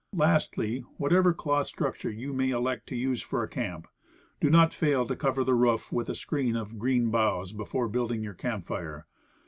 Lastly, whatever cloth structure you may erect to use for a camp, do not fail to cover the roof with a screen of green boughs before building your camp fire.